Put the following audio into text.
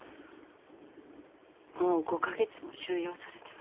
もう５か月も収容されてます。